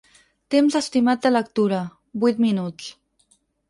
Temps estimat de lectura: vuit minuts.